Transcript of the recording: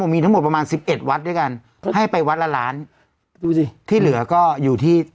มีทั้งหมดประมาณสิบเอ็ดวัดด้วยกันให้ไปวัดละล้านดูสิที่เหลือก็อยู่ที่